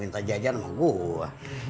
minta jajan sama gua